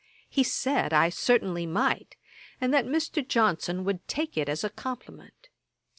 He said I certainly might, and that Mr. Johnson would take it as a compliment.